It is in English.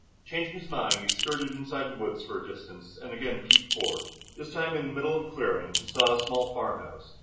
Changing his mind, he skirted inside the woods for a distance, and again peeped forth. This time, in the middle of the clearing, he saw a small farmhouse.